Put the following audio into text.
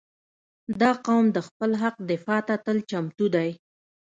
• دا قوم د خپل حق دفاع ته تل چمتو دی.